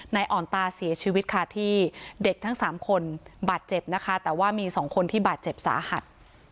อ่อนตาเสียชีวิตค่ะที่เด็กทั้งสามคนบาดเจ็บนะคะแต่ว่ามีสองคนที่บาดเจ็บสาหัส